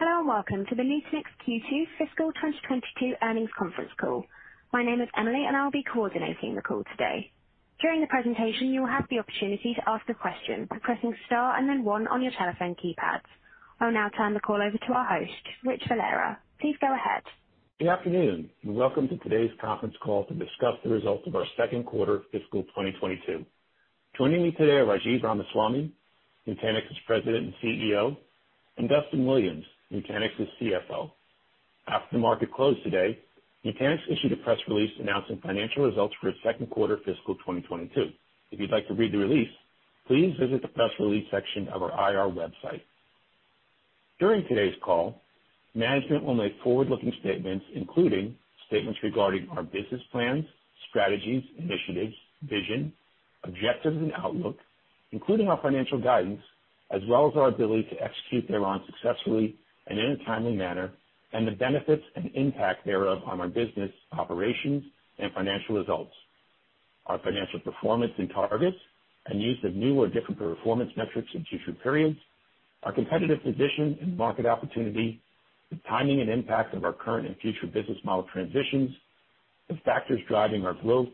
Hello and welcome to the Nutanix Q2 fiscal 2022 earnings conference call. My name is Emily, and I'll be coordinating the call today. During the presentation, you will have the opportunity to ask a question by pressing star and then one on your telephone keypads. I'll now turn the call over to our host, Rich Valera. Please go ahead. Good afternoon, and welcome to today's conference call to discuss the results of our second quarter of fiscal 2022. Joining me today are Rajiv Ramaswami, Nutanix's President and CEO, and Duston Williams, Nutanix's CFO. After the market closed today, Nutanix issued a press release announcing financial results for its second quarter fiscal 2022. If you'd like to read the release, please visit the press release section of our IR website. During today's call, management will make forward-looking statements, including statements regarding our business plans, strategies, initiatives, vision, objectives and outlook, including our financial guidance, as well as our ability to execute thereon successfully and in a timely manner, and the benefits and impact thereof on our business operations and financial results, our financial performance and targets and use of new or different performance metrics in future periods, our competitive position and market opportunity, the timing and impact of our current and future business model transitions, the factors driving our growth,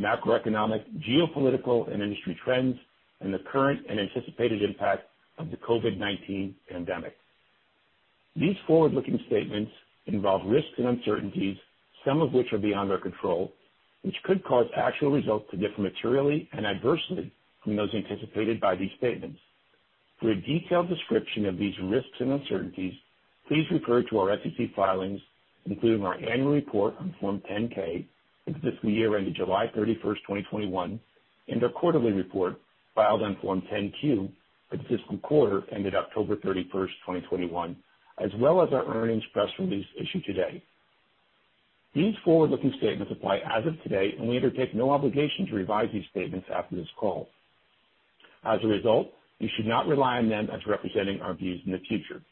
macroeconomic, geopolitical and industry trends, and the current and anticipated impact of the COVID-19 pandemic. These forward-looking statements involve risks and uncertainties, some of which are beyond our control, which could cause actual results to differ materially and adversely from those anticipated by these statements. For a detailed description of these risks and uncertainties, please refer to our SEC filings, including our annual report on Form 10-K for the fiscal year ended July 31st, 2021, and our quarterly report filed on Form 10-Q for the fiscal quarter ended October 31st, 2021, as well as our earnings press release issued today. These forward-looking statements apply as of today, and we undertake no obligation to revise these statements after this call. As a result, you should not rely on them as representing our views in the future.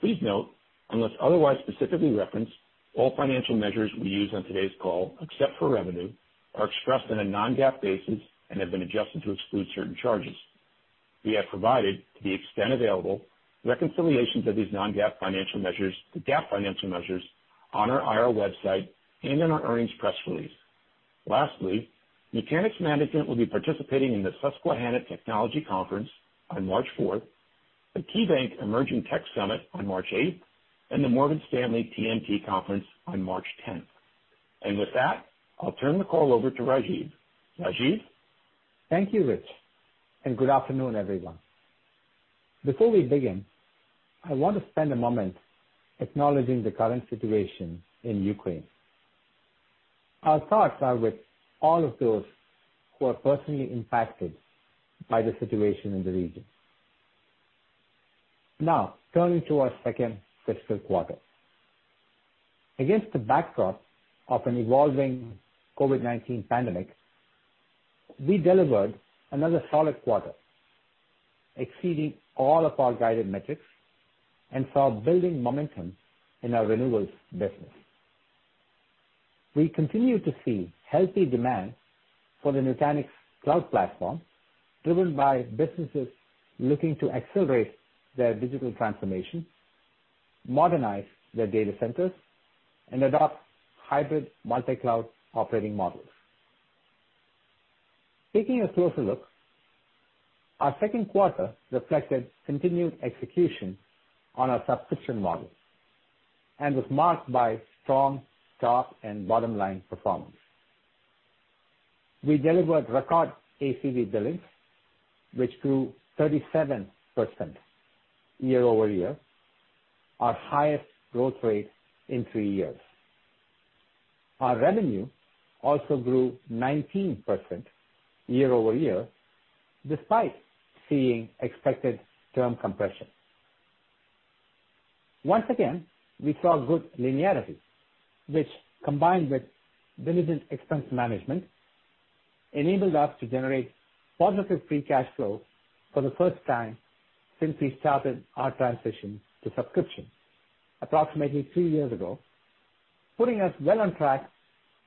Please note, unless otherwise specifically referenced, all financial measures we use on today's call, except for revenue, are expressed on a non-GAAP basis and have been adjusted to exclude certain charges. We have provided, to the extent available, reconciliations of these non-GAAP financial measures to GAAP financial measures on our IR website and in our earnings press release. Lastly, Nutanix management will be participating in the Susquehanna Technology Conference on March 4th, the KeyBanc Emerging Technology Summit on March 8th, and the Morgan Stanley TMT Conference on March 10th. With that, I'll turn the call over to Rajiv. Rajiv. Thank you, Rich, and good afternoon, everyone. Before we begin, I want to spend a moment acknowledging the current situation in Ukraine. Our thoughts are with all of those who are personally impacted by the situation in the region. Now, turning to our second fiscal quarter. Against the backdrop of an evolving COVID-19 pandemic, we delivered another solid quarter, exceeding all of our guided metrics, and saw building momentum in our renewables business. We continue to see healthy demand for the Nutanix Cloud Platform, driven by businesses looking to accelerate their digital transformation, modernize their data centers, and adopt hybrid multi-cloud operating models. Taking a closer look, our second quarter reflected continued execution on our subscription model and was marked by strong top and bottom-line performance. We delivered record ACV billings, which grew 37% year-over-year, our highest growth rate in three years. Our revenue also grew 19% year-over-year, despite seeing expected term compression. Once again, we saw good linearity, which, combined with diligent expense management, enabled us to generate positive free cash flow for the first time since we started our transition to subscriptions approximately three years ago, putting us well on track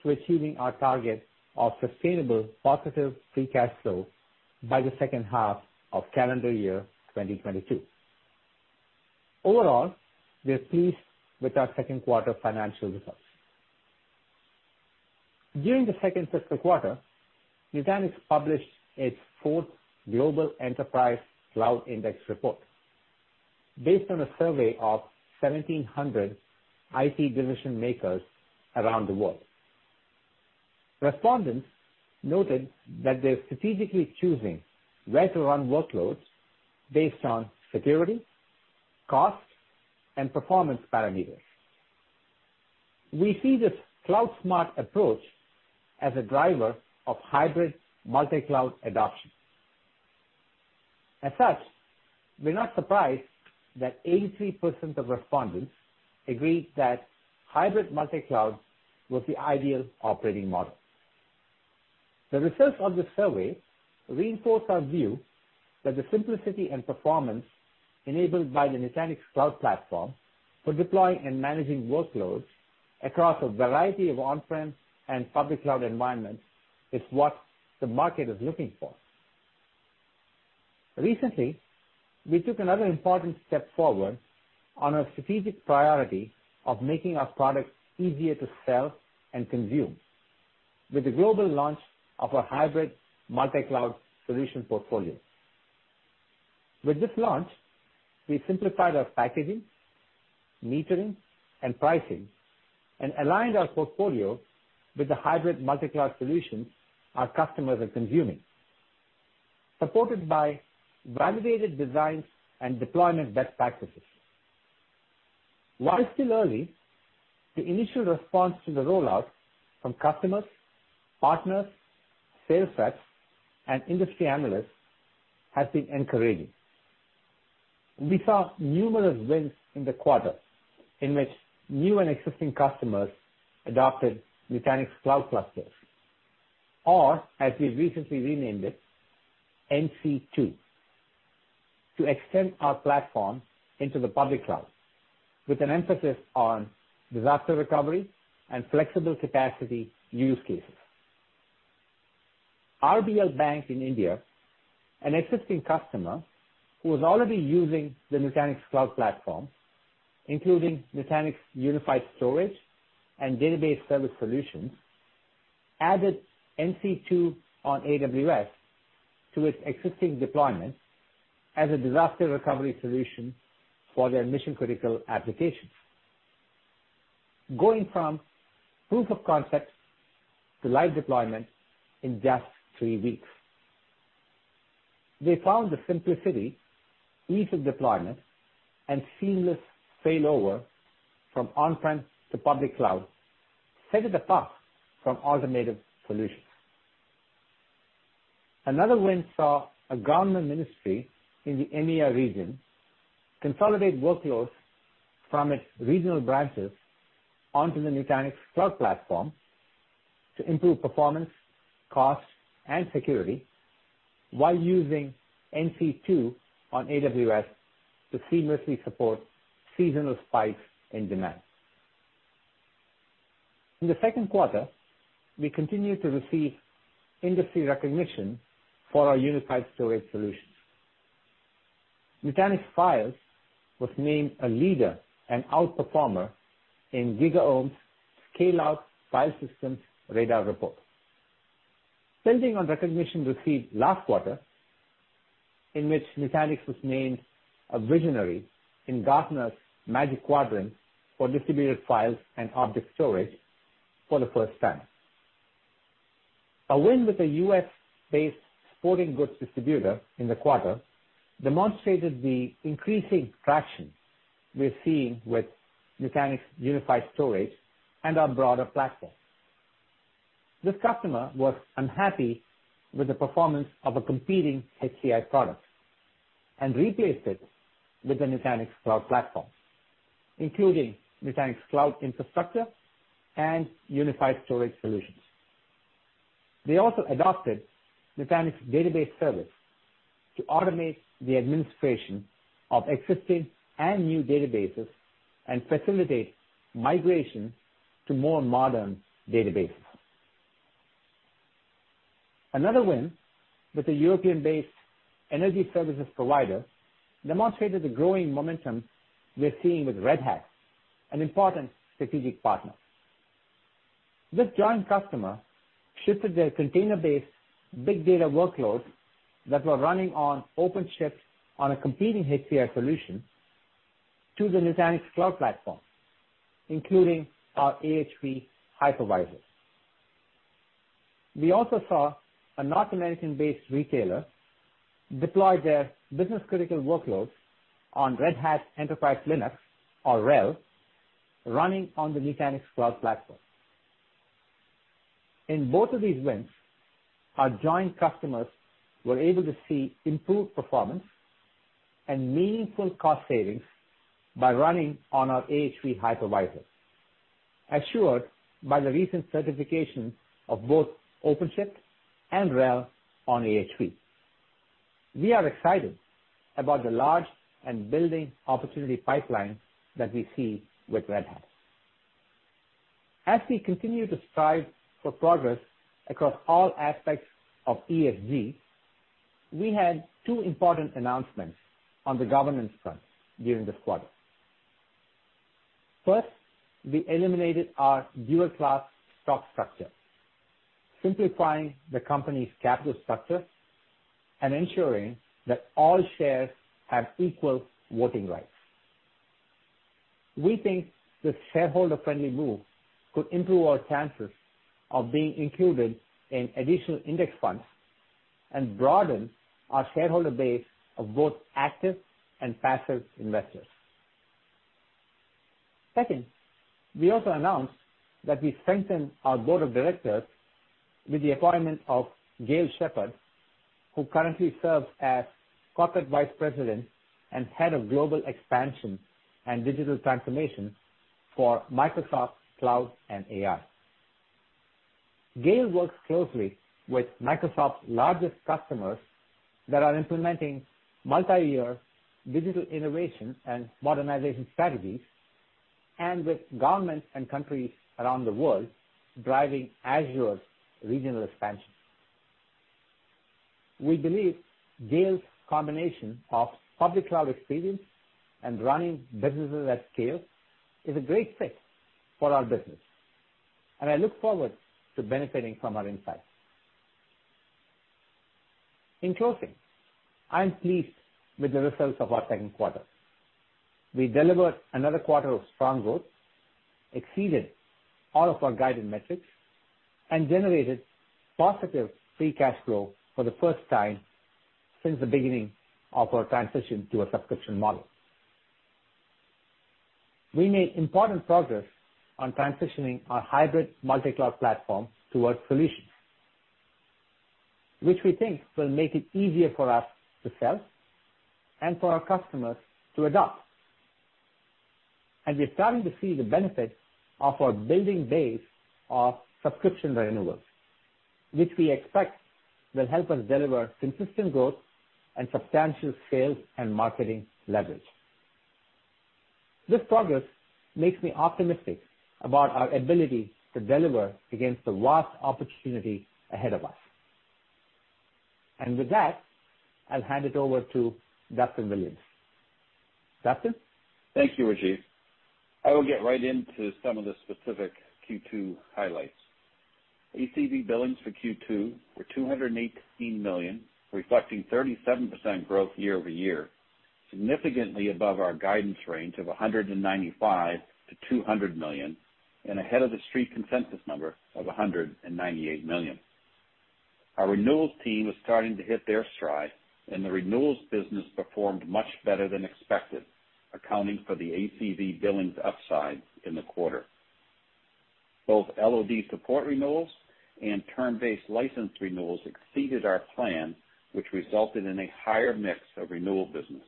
to achieving our target of sustainable positive free cash flow by the second half of calendar year 2022. Overall, we are pleased with our second quarter financial results. During the second fiscal quarter, Nutanix published its fourth Global Enterprise Cloud Index report based on a survey of 1,700 IT decision-makers around the world. Respondents noted that they're strategically choosing where to run workloads based on security, cost, and performance parameters. We see this cloud-smart approach as a driver of hybrid multi-cloud adoption. As such, we're not surprised that 83% of respondents agreed that hybrid multi-cloud was the ideal operating model. The results of this survey reinforce our view that the simplicity and performance enabled by the Nutanix Cloud Platform for deploying and managing workloads across a variety of on-prem and public cloud environments is what the market is looking for. Recently, we took another important step forward on our strategic priority of making our products easier to sell and consume with the global launch of our hybrid multi-cloud solution portfolio. With this launch, we simplified our packaging, metering, and pricing, and aligned our portfolio with the hybrid multi-cloud solutions our customers are consuming, supported by validated designs and deployment best practices. While it's still early, the initial response to the rollout from customers, partners, sales reps, and industry analysts has been encouraging. We saw numerous wins in the quarter in which new and existing customers adopted Nutanix Cloud Clusters, or as we've recently renamed it NC2, to extend our platform into the public cloud with an emphasis on disaster recovery and flexible capacity use cases. RBL Bank in India, an existing customer who was already using the Nutanix Cloud Platform, including Nutanix Unified Storage and Database Service solutions, added NC2 on AWS to its existing deployment as a disaster recovery solution for their mission-critical applications, going from proof of concept to live deployment in just three weeks. They found the simplicity, ease of deployment, and seamless failover from on-prem to public cloud set it apart from alternative solutions. Another win saw a government ministry in the EMEA region consolidate workloads from its regional branches onto the Nutanix Cloud Platform to improve performance, cost, and security while using NC2 on AWS to seamlessly support seasonal spikes in demand. In the second quarter, we continued to receive industry recognition for our unified storage solutions. Nutanix Files was named a leader and outperformer in GigaOm's Scale-Out File Systems Radar Report, building on recognition received last quarter in which Nutanix was named a visionary in Gartner's Magic Quadrant for distributed file and object storage for the first time. A win with a U.S.-based sporting goods distributor in the quarter demonstrated the increasing traction we're seeing with Nutanix unified storage and our broader platform. This customer was unhappy with the performance of a competing HCI product and replaced it with the Nutanix Cloud Platform, including Nutanix Cloud Infrastructure and unified storage solutions. They also adopted Nutanix Database Service to automate the administration of existing and new databases and facilitate migration to more modern databases. Another win with a European-based energy services provider demonstrated the growing momentum we're seeing with Red Hat, an important strategic partner. This joint customer shifted their container-based big data workloads that were running on OpenShift on a competing HCI solution to the Nutanix Cloud Platform, including our AHV hypervisor. We also saw a North American-based retailer deploy their business-critical workloads on Red Hat Enterprise Linux, or RHEL, running on the Nutanix Cloud Platform. In both of these wins, our joint customers were able to see improved performance and meaningful cost savings by running on our AHV hypervisor, assured by the recent certification of both OpenShift and RHEL on AHV. We are excited about the large and building opportunity pipeline that we see with Red Hat. As we continue to strive for progress across all aspects of ESG, we had two important announcements on the governance front during this quarter. First, we eliminated our dual-class stock structure, simplifying the company's capital structure and ensuring that all shares have equal voting rights. We think this shareholder-friendly move could improve our chances of being included in additional index funds and broaden our shareholder base of both active and passive investors. Second, we also announced that we strengthened our Board of Directors with the appointment of Gayle Sheppard, who currently serves as corporate vice president and head of global expansion and digital transformation for Microsoft Cloud and AI. Gayle works closely with Microsoft's largest customers that are implementing multi-year digital innovation and modernization strategies, and with governments and countries around the world driving Azure's regional expansion. We believe Gayle's combination of public cloud experience and running businesses at scale is a great fit for our business, and I look forward to benefiting from her insights. In closing, I'm pleased with the results of our second quarter. We delivered another quarter of strong growth, exceeded all of our guided metrics, and generated positive free cash flow for the first time since the beginning of our transition to a subscription model. We made important progress on transitioning our hybrid multi-cloud platform towards solutions, which we think will make it easier for us to sell and for our customers to adopt. We're starting to see the benefit of our building base of subscription renewals, which we expect will help us deliver consistent growth and substantial sales and marketing leverage. This progress makes me optimistic about our ability to deliver against the vast opportunity ahead of us. With that, I'll hand it over to Duston Williams. Duston? Thank you, Rajiv. I will get right into some of the specific Q2 highlights. ACV billings for Q2 were $218 million, reflecting 37% growth year-over-year, significantly above our guidance range of $195 million-$200 million, and ahead of the Street consensus number of $198 million. Our renewals team is starting to hit their stride, and the renewals business performed much better than expected, accounting for the ACV billings upside in the quarter. Both LOD support renewals and term-based license renewals exceeded our plan, which resulted in a higher mix of renewal business.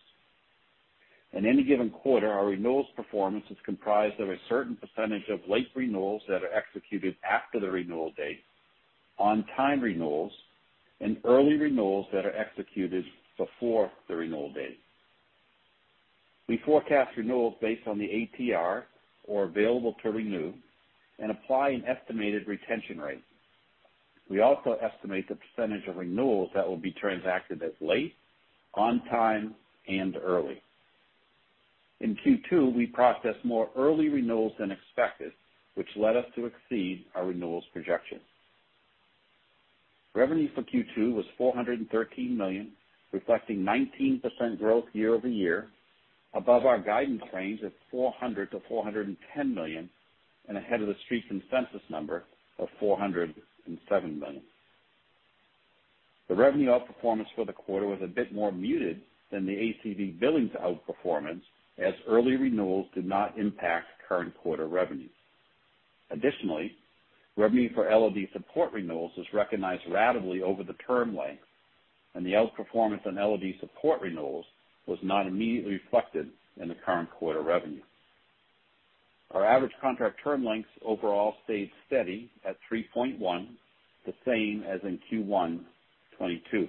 In any given quarter, our renewals performance is comprised of a certain percentage of late renewals that are executed after the renewal date, on-time renewals, and early renewals that are executed before the renewal date. We forecast renewals based on the ATR, or available to renew, and apply an estimated retention rate. We also estimate the percentage of renewals that will be transacted as late, on time, and early. In Q2, we processed more early renewals than expected, which led us to exceed our renewals projections. Revenue for Q2 was $413 million, reflecting 19% growth year-over-year, above our guidance range of $400 million-$410 million, and ahead of the street consensus number of $407 million. The revenue outperformance for the quarter was a bit more muted than the ACV billings outperformance, as early renewals did not impact current quarter revenue. Additionally, revenue for LOD support renewals is recognized ratably over the term length, and the outperformance on LOD support renewals was not immediately reflected in the current quarter revenue. Our average contract term lengths overall stayed steady at 3.1 years, the same as in Q1 2022.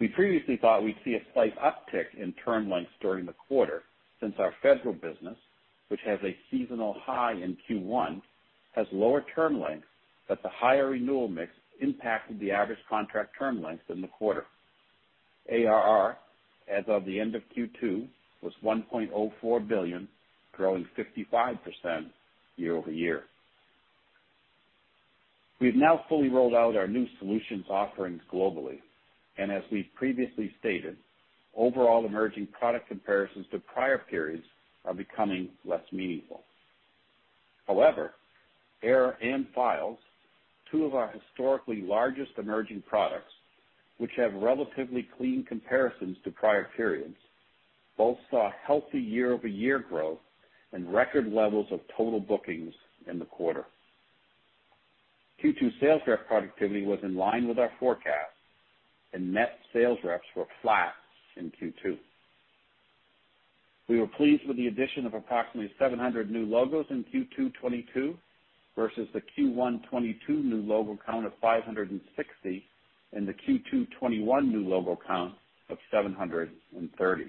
We previously thought we'd see a slight uptick in term lengths during the quarter since our federal business, which has a seasonal high in Q1, has lower term lengths, but the higher renewal mix impacted the average contract term length in the quarter. ARR as of the end of Q2 was $1.04 billion, growing 55% year-over-year. We've now fully rolled out our new solutions offerings globally, and as we've previously stated, overall emerging product comparisons to prior periods are becoming less meaningful. However, Era and Files, two of our historically largest emerging products, which have relatively clean comparisons to prior periods, both saw healthy year-over-year growth and record levels of total bookings in the quarter. Q2 sales rep productivity was in line with our forecast, and net sales reps were flat in Q2. We were pleased with the addition of approximately 700 new logos in Q2 2022 versus the Q1 2022 new logo count of 560 and the Q2 2021 new logo count of 730.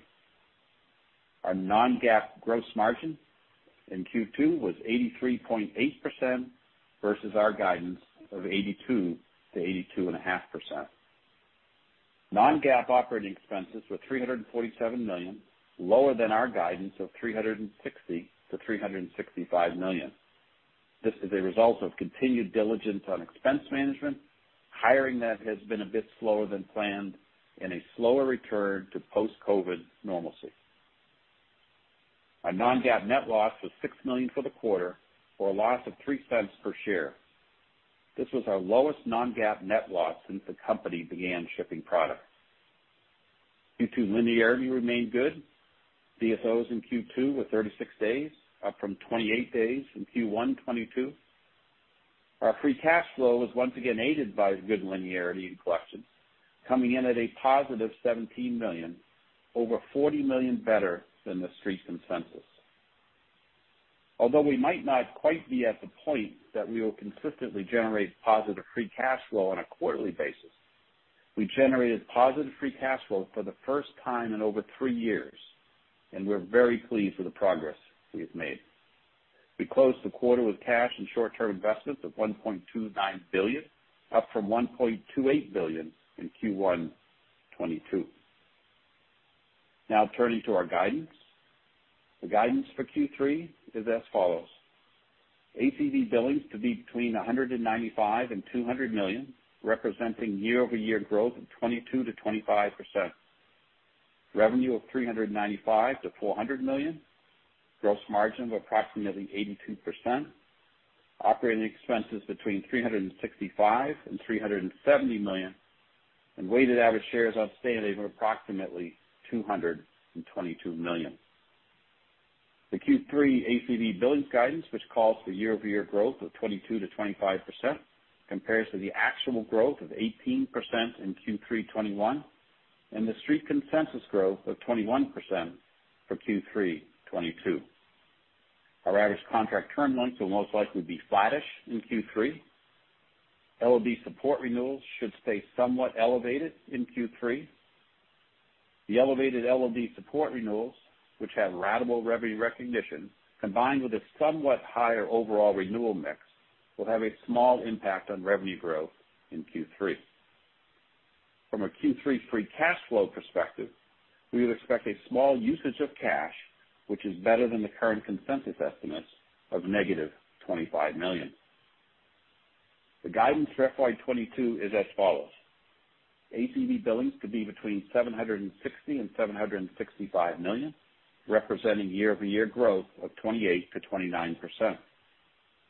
Our non-GAAP gross margin in Q2 was 83.8% versus our guidance of 82%-82.5%. Non-GAAP operating expenses were $347 million, lower than our guidance of $360 million-$365 million. This is a result of continued diligence on expense management, hiring that has been a bit slower than planned, and a slower return to post-COVID normalcy. Our non-GAAP net loss was $6 million for the quarter, for a loss of $0.03 per share. This was our lowest non-GAAP net loss since the company began shipping products. Q2 linearity remained good. DSOs in Q2 were 36 days, up from 28 days in Q1 2022. Our free cash flow was once again aided by good linearity in collections, coming in at a +$17 million, over $40 million better than the street consensus. Although we might not quite be at the point that we will consistently generate positive free cash flow on a quarterly basis, we generated positive free cash flow for the first time in over three years, and we're very pleased with the progress we have made. We closed the quarter with cash and short-term investments of $1.29 billion, up from $1.28 billion in Q1 2022. Now turning to our guidance. The guidance for Q3 is as follows. ACV billings to be between $195 million and $200 million, representing year-over-year growth of 22%-25%. Revenue of $395 million-$400 million. Gross margin of approximately 82%. Operating expenses between $365 million and $370 million. Weighted average shares outstanding of approximately 222 million. The Q3 ACV billings guidance, which calls for year-over-year growth of 22%-25%, compares to the actual growth of 18% in Q3 2021 and the street consensus growth of 21% for Q3 2022. Our average contract term lengths will most likely be flattish in Q3. LOD support renewals should stay somewhat elevated in Q3. The elevated LOD support renewals, which have ratable revenue recognition, combined with a somewhat higher overall renewal mix, will have a small impact on revenue growth in Q3. From a Q3 free cash flow perspective, we would expect a small usage of cash, which is better than the current consensus estimates of -$25 million. The guidance for FY 2022 is as follows. ACV billings to be between $760 million and $765 million, representing year-over-year growth of 28%-29%.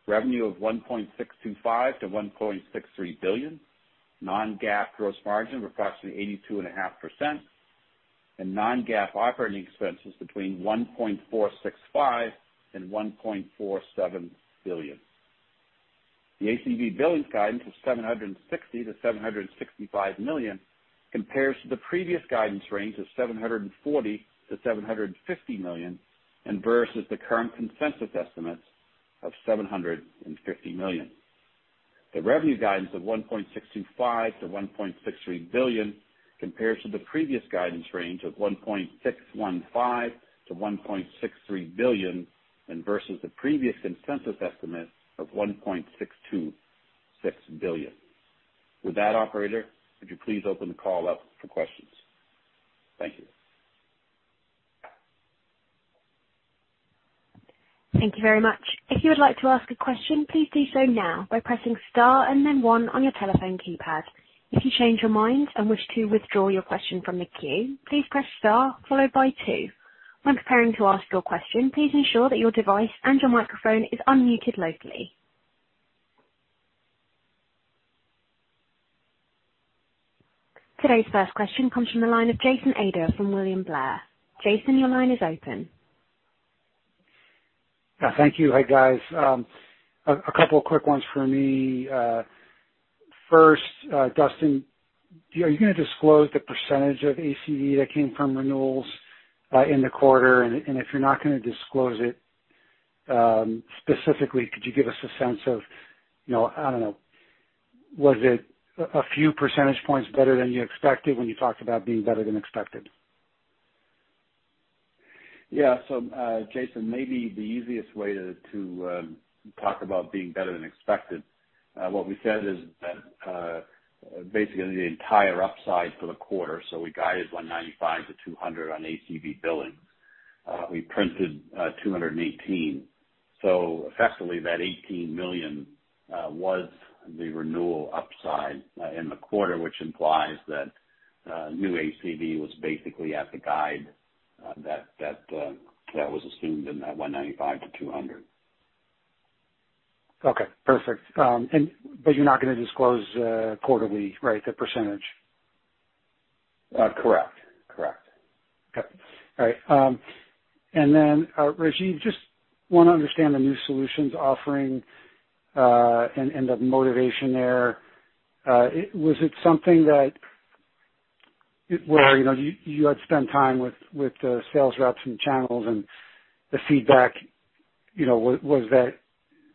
Revenue of $1.625 billion-$1.63 billion. Non-GAAP gross margin of approximately 82.5%. Non-GAAP operating expenses between $1.465 billion and $1.47 billion. The ACV billings guidance of $760 million-$765 million compares to the previous guidance range of $740 million-$750 million, and versus the current consensus estimates of $750 million. The revenue guidance of $1.625 billion-$1.63 billion compares to the previous guidance range of $1.615 billion-$1.63 billion, and versus the previous consensus estimate of $1.626 billion. With that, operator, would you please open the call up for questions? Thank you. Thank you very much. If you would like to ask a question, please do so now by pressing star and then one on your telephone keypad. If you change your mind and wish to withdraw your question from the queue, please press star followed by two. When preparing to ask your question, please ensure that your device and your microphone is unmuted locally. Today's first question comes from the line of Jason Ader from William Blair. Jason, your line is open. Yeah, thank you. Hey, guys. A couple of quick ones for me. First, Duston, are you gonna disclose the percentage of ACV that came from renewals in the quarter? If you're not gonna disclose it specifically, could you give us a sense of, you know, I don't know, was it a few percentage points better than you expected when you talked about being better than expected? Yeah. Jason, maybe the easiest way to talk about being better than expected, what we said is that basically the entire upside for the quarter, we guided $195 million-$200 million on ACV billings. We printed $218 million. Effectively that $18 million was the renewal upside in the quarter, which implies that new ACV was basically at the guide that was assumed in that $195 million-$200 million. Okay. Perfect. You're not gonna disclose quarterly, right, the percentage? Correct. Okay. All right. Rajiv, just wanna understand the new solutions offering and the motivation there. Was it something where, you know, you had spent time with the sales reps and channels and the feedback, you know, was that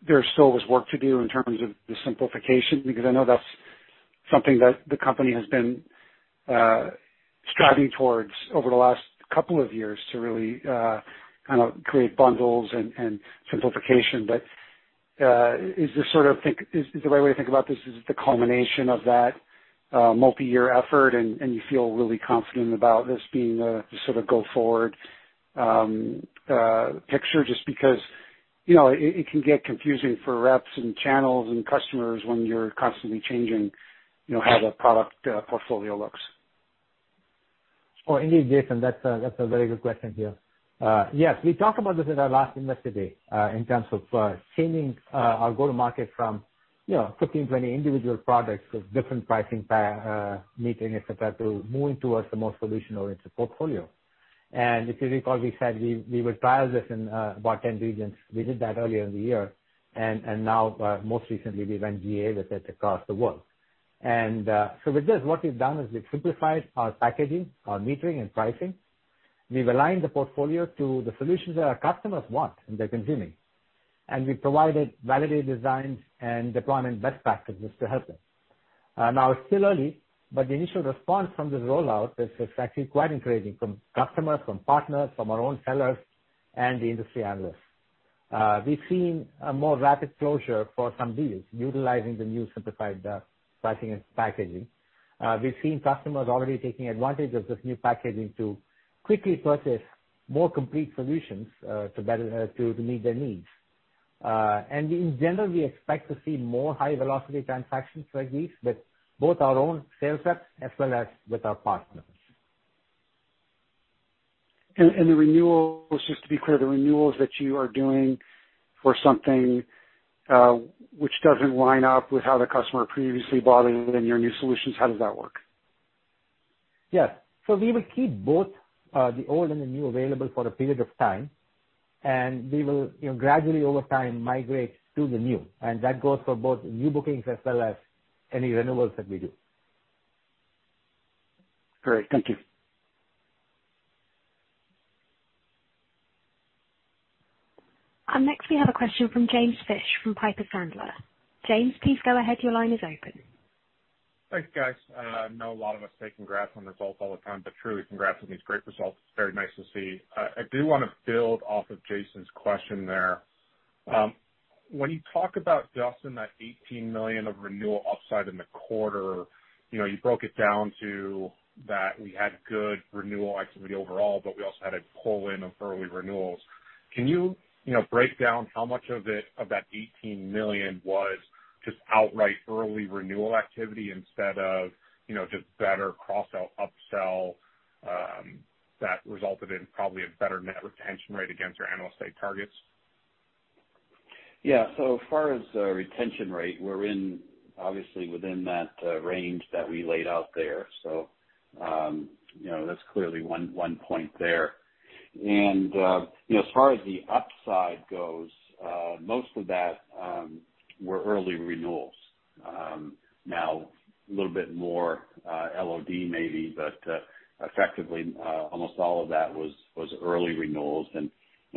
there still was work to do in terms of the simplification? Because I know that's something that the company has been striving towards over the last couple of years to really kinda create bundles and simplification. Is the right way to think about this the culmination of that multi-year effort and you feel really confident about this being the sort of go-forward picture just because, you know, it can get confusing for reps and channels and customers when you're constantly changing, you know, how the product portfolio looks? Jason, that's a very good question. Yeah. Yes, we talked about this at our last Investor Day in terms of changing our go-to-market from, you know, 15, 20 individual products with different pricing, metering, et cetera, to moving towards a more solution-oriented portfolio. If you recall, we said we would trial this in about 10 regions. We did that earlier in the year. Now, most recently, we went GA with it across the world. With this, what we've done is we've simplified our packaging, our metering and pricing. We've aligned the portfolio to the solutions that our customers want and they're consuming. We've provided validated designs and deployment best practices to help them. Now it's still early, but the initial response from this rollout is actually quite encouraging from customers, from partners, from our own sellers and the industry analysts. We've seen a more rapid closure for some deals utilizing the new simplified pricing and packaging. We've seen customers already taking advantage of this new packaging to quickly purchase more complete solutions to better meet their needs. In general, we expect to see more high velocity transactions like these with both our own sales reps as well as with our partners. The renewals, just to be clear, the renewals that you are doing for something which doesn't line up with how the customer previously bought it within your new solutions, how does that work? Yes. We will keep both, the old and the new available for a period of time, and we will, you know, gradually over time migrate to the new, and that goes for both new bookings as well as any renewals that we do. Great. Thank you. Next we have a question from James Fish from Piper Sandler. James, please go ahead. Your line is open. Thanks, guys. I know a lot of us say congrats on results all the time, but truly congrats on these great results. It's very nice to see. I do wanna build off of Jason's question there. When you talk about, Duston, that $18 million of renewal upside in the quarter, you know, you broke it down to that we had good renewal activity overall, but we also had a pull-in of early renewals. Can you know, break down how much of it, of that $18 million was just outright early renewal activity instead of, you know, just better cross-sell, upsell, that resulted in probably a better net retention rate against your annual stated targets? Yeah. As far as the retention rate, we're obviously within that range that we laid out there. You know, that's clearly one point there. You know, as far as the upside goes, most of that were early renewals. Now a little bit more LOD maybe, but effectively, almost all of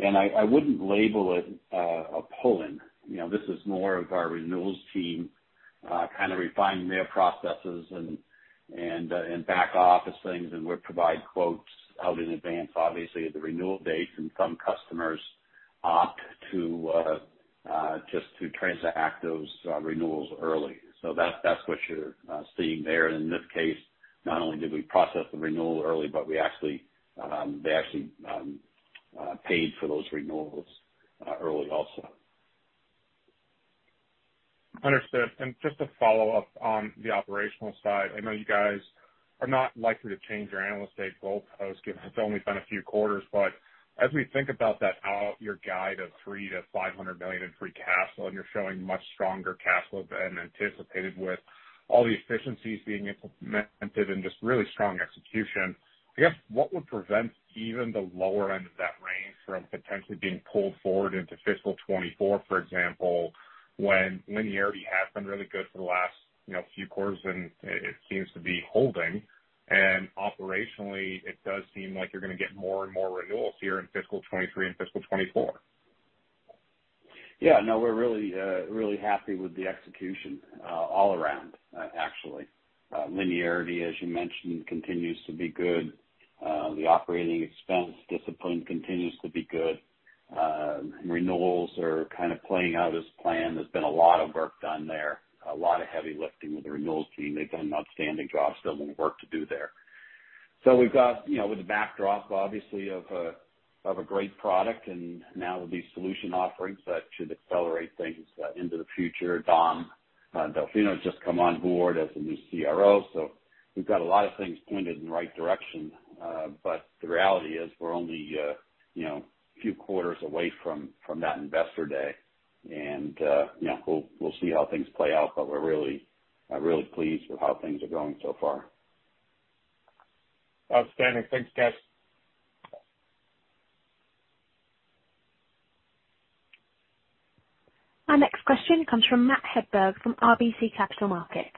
that was early renewals. I wouldn't label it a pull-in. You know, this is more of our renewals team kind of refining their processes and back office things, and we provide quotes out in advance obviously at the renewal dates, and some customers opt to just transact those renewals early. That's what you're seeing there. In this case, not only did we process the renewal early, but they actually paid for those renewals early also. Understood. Just to follow up on the operational side, I know you guys are not likely to change your annual state goalpost given it's only been a few quarters. As we think about that out your guide of $300 million-$500 million in free cash flow, and you're showing much stronger cash flow than anticipated with all the efficiencies being implemented and just really strong execution, I guess what would prevent even the lower end of that range from potentially being pulled forward into fiscal 2024, for example, when linearity has been really good for the last, you know, few quarters and it seems to be holding. Operationally it does seem like you're gonna get more and more renewals here in fiscal 2023 and fiscal 2024. Yeah. No, we're really happy with the execution all around, actually. Linearity, as you mentioned, continues to be good. The operating expense discipline continues to be good. Renewals are kind of playing out as planned. There's been a lot of work done there, a lot of heavy lifting with the renewals team. They've done an outstanding job. Still more work to do there. We've got, you know, with the backdrop obviously of a great product and now with these solution offerings, that should accelerate things into the future. Dom Delfino's just come on board as the new CRO, so we've got a lot of things pointed in the right direction. The reality is we're only, you know, a few quarters away from that Investor Day. You know, we'll see how things play out, but we're really, really pleased with how things are going so far. Outstanding. Thanks, guys. Our next question comes from Matt Hedberg from RBC Capital Markets.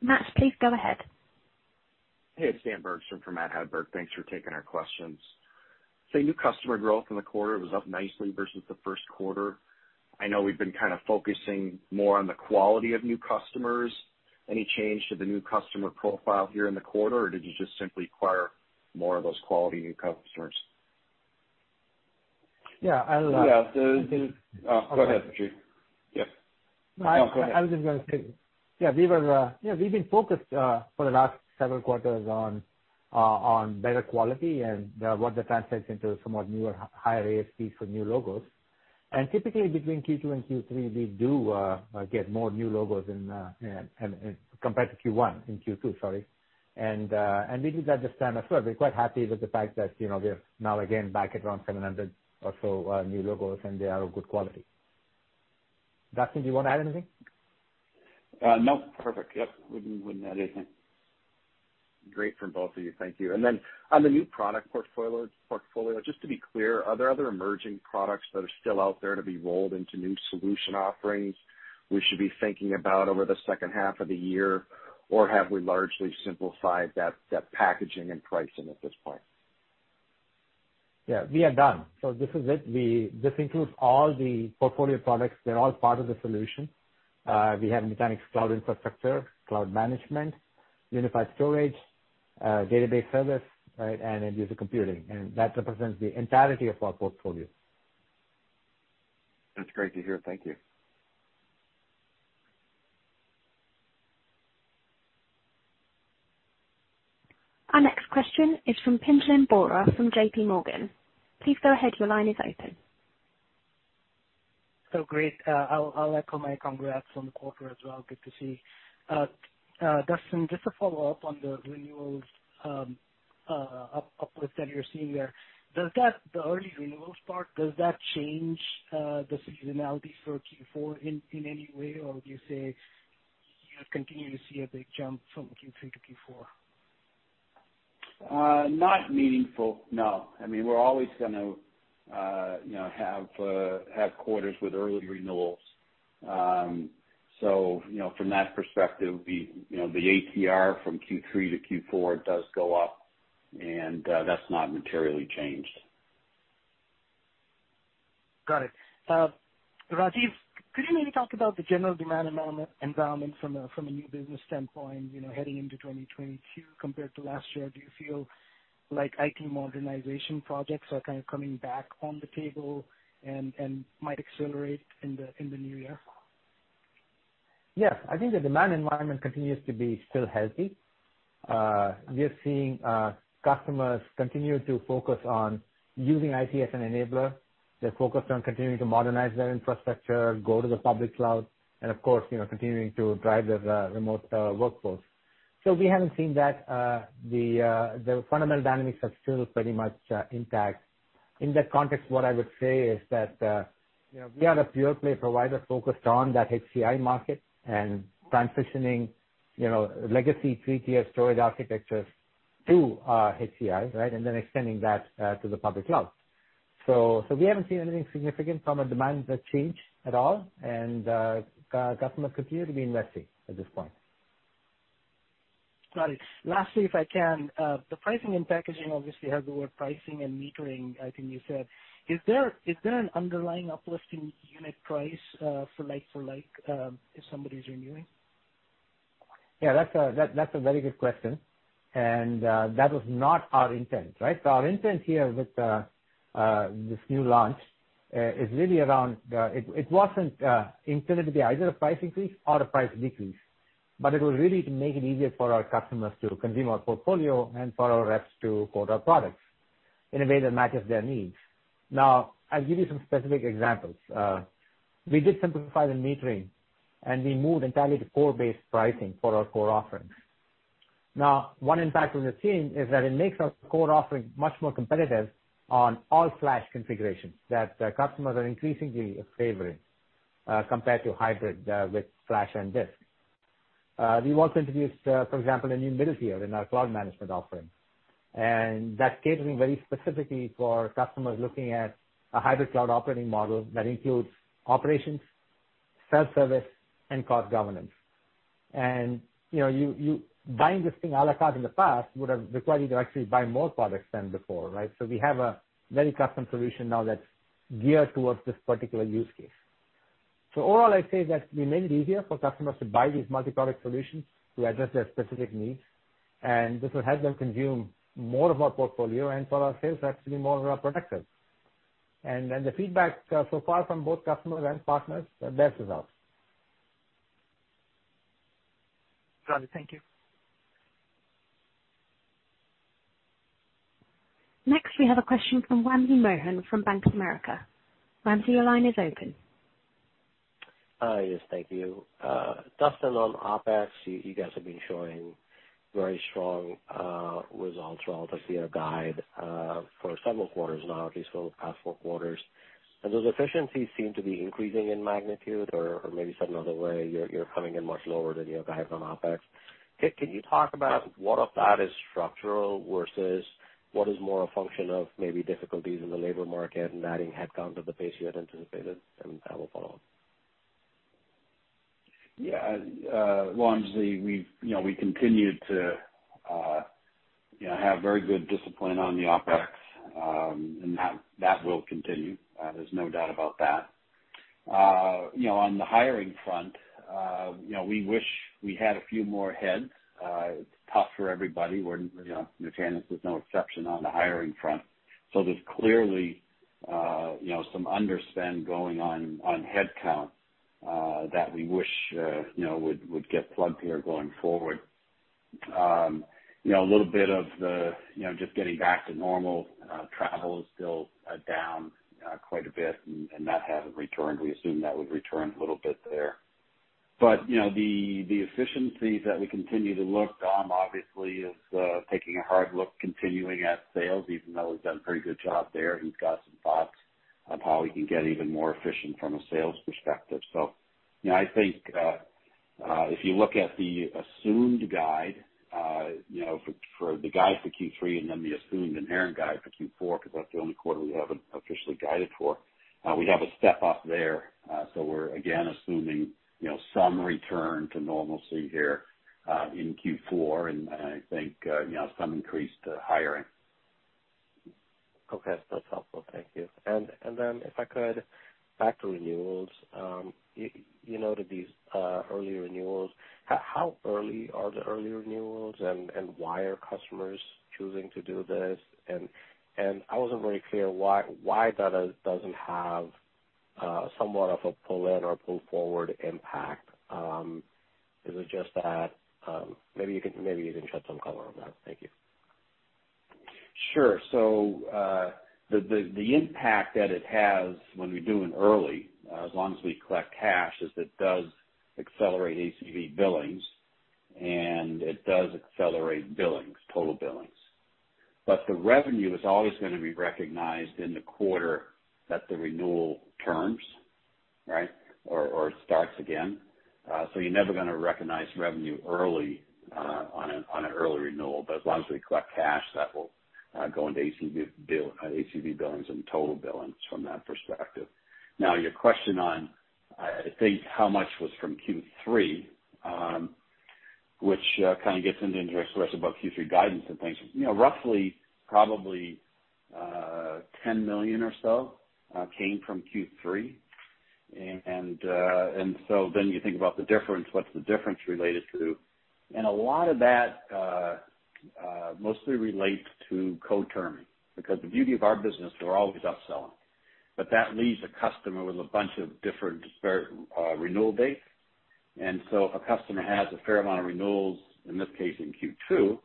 Matt, please go ahead. Hey, it's Dan Bergstrom for Matt Hedberg. Thanks for taking our questions. New customer growth in the quarter was up nicely versus the first quarter. I know we've been kind of focusing more on the quality of new customers. Any change to the new customer profile here in the quarter, or did you just simply acquire more of those quality new customers? Yeah, I'll. Yeah, go ahead, Rajiv. Yeah. No, go ahead. I was just gonna say. Yeah, we've been focused for the last several quarters on better quality and what that translates into somewhat newer, higher ASPs for new logos. Typically between Q2 and Q3, we do get more new logos in compared to Q1, in Q2, sorry. We did that this time as well. We're quite happy with the fact that, you know, we're now again back at around 700 or so new logos and they are of good quality. Duston, do you wanna add anything? No. Perfect. Yep. Wouldn't add anything. Great from both of you. Thank you. On the new product portfolio, just to be clear, are there other emerging products that are still out there to be rolled into new solution offerings we should be thinking about over the second half of the year? Or have we largely simplified that packaging and pricing at this point? We are done. This is it. This includes all the portfolio products. They're all part of the solution. We have Nutanix Cloud Infrastructure, Cloud Management, Unified Storage, Data Service, right, and End User Computing, and that represents the entirety of our portfolio. That's great to hear. Thank you. Our next question is from Pinjalim Bora from JPMorgan. Please go ahead. Your line is open. Great. I'll echo my congrats on the quarter as well. Good to see. Duston, just to follow up on the renewals uplift that you're seeing there. The early renewals part, does that change the seasonality for Q4 in any way, or would you say you continue to see a big jump from Q3 to Q4? Not meaningful, no. I mean, we're always gonna, you know, have quarters with early renewals. From that perspective, the ATR from Q3 to Q4 does go up, and that's not materially changed. Got it. Rajiv, could you maybe talk about the general demand environment from a new business standpoint, you know, heading into 2022 compared to last year? Do you feel like IT modernization projects are kind of coming back on the table and might accelerate in the new year? Yes. I think the demand environment continues to be still healthy. We are seeing customers continue to focus on using IT as an enabler. They're focused on continuing to modernize their infrastructure, go to the public cloud, and of course, you know, continuing to drive their remote workforce. So we haven't seen that. The fundamental dynamics are still pretty much intact. In that context, what I would say is that, you know, we are a pure play provider focused on that HCI market and transitioning, you know, legacy three-tier storage architectures to HCI, right, and then extending that to the public cloud. So we haven't seen anything significant from a demand that changed at all, and customers continue to be investing at this point. Got it. Lastly, if I can, the pricing and packaging obviously has the word pricing and metering, I think you said. Is there an underlying uplifting unit price, for like for like, if somebody's renewing? Yeah, that's a very good question, and that was not our intent, right? Our intent here with this new launch is really around it. It wasn't intended to be either a price increase or a price decrease, but it was really to make it easier for our customers to consume our portfolio and for our reps to quote our products in a way that matches their needs. Now, I'll give you some specific examples. We did simplify the metering, and we moved entirely to core-based pricing for our core offerings. Now, one impact we're seeing is that it makes our core offerings much more competitive on all flash configurations that customers are increasingly favoring, compared to hybrid with flash and disk. We also introduced, for example, a new middle tier in our cloud management offerings. That's catering very specifically for customers looking at a hybrid cloud operating model that includes operations, self-service, and cost governance. You know, you buying this thing à la carte in the past would have required you to actually buy more products than before, right? We have a very custom solution now that's geared towards this particular use case. All I'd say is that we made it easier for customers to buy these multi-product solutions to address their specific needs, and this will help them consume more of our portfolio and for our sales reps to be more productive. Then the feedback so far from both customers and partners, they're with us. Got it. Thank you. Next, we have a question from Wamsi Mohan from Bank of America. Wamsi, your line is open. Yes, thank you. Duston, on OpEx, you guys have been showing very strong results relative to your guide for several quarters now, at least for the past four quarters. Those efficiencies seem to be increasing in magnitude or maybe said another way, you're coming in much lower than your guides on OpEx. Can you talk about what of that is structural versus what is more a function of maybe difficulties in the labor market and adding headcount at the pace you had anticipated? I will follow up. Yeah. Wamsi, you know, we continue to, you know, have very good discipline on the OpEx, and that will continue. There's no doubt about that. You know, on the hiring front, you know, we wish we had a few more heads. It's tough for everybody. We're, you know, Nutanix is no exception on the hiring front. So there's clearly, you know, some underspend going on headcount, that we wish, you know, would get plugged here going forward. You know, a little bit of the, you know, just getting back to normal. Travel is still down quite a bit and that hasn't returned. We assume that would return a little bit there. You know, the efficiencies that we continue to look, Dom obviously is taking a hard look continuing at sales, even though we've done a pretty good job there. He's got some thoughts on how we can get even more efficient from a sales perspective. You know, I think if you look at the assumed guide, you know, for the guide for Q3 and then the assumed inherent guide for Q4, because that's the only quarter we haven't officially guided for, we have a step up there. We're again assuming, you know, some return to normalcy here in Q4, and I think, you know, some increase to hiring. Okay. That's helpful. Thank you. Then, if I could, back to renewals, you noted these early renewals. How early are the early renewals, and why are customers choosing to do this? I wasn't very clear why that doesn't have somewhat of a pull-in or pull-forward impact. Is it just that? Maybe you can shed some color on that. Thank you. Sure. The impact that it has when we do an early, as long as we collect cash, is it does accelerate ACV billings, and it does accelerate billings, total billings. The revenue is always gonna be recognized in the quarter that the renewal term starts, right, or starts again. You're never gonna recognize revenue early, on an early renewal. As long as we collect cash, that will go into ACV billings and total billings from that perspective. Now, your question on, I think how much was from Q3, which kind of gets into interesting to us about Q3 guidance and things. You know, roughly probably $10 million or so came from Q3. You think about the difference, what's the difference related to? A lot of that mostly relates to co-terming, because the beauty of our business is we're always upselling. That leaves a customer with a bunch of different disparate renewal dates. If a customer has a fair amount of renewals, in this case in Q2,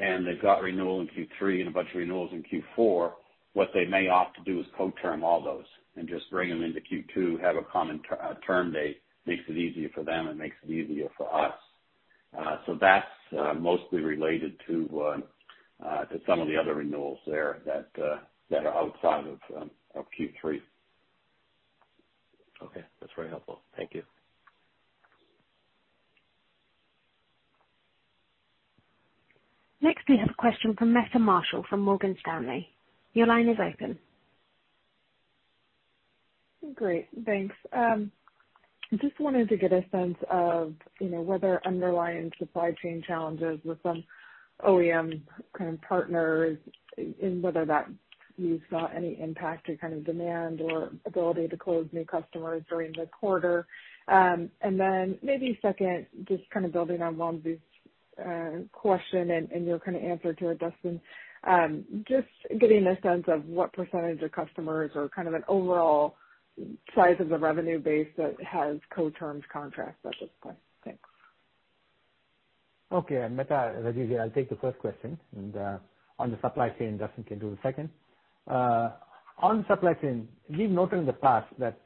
and they've got renewal in Q3 and a bunch of renewals in Q4, what they may opt to do is co-term all those and just bring them into Q2, have a common term date. Makes it easier for them and makes it easier for us. That's mostly related to some of the other renewals there that are outside of Q3. Okay. That's very helpful. Thank you. Next, we have a question from Meta Marshall from Morgan Stanley. Your line is open. Great, thanks. Just wanted to get a sense of, you know, whether underlying supply chain challenges with some OEM kind of partners and whether that you saw any impact to kind of demand or ability to close new customers during the quarter. Maybe second, just kind of building on Wamsi's question and your kind of answer to it, Duston. Just getting a sense of what percentage of customers or kind of an overall size of the revenue base that has co-termed contracts at this point. Thanks. Okay, Meta, Rajiv here. I'll take the first question and, on the supply chain, Duston can do the second. On supply chain, we've noted in the past that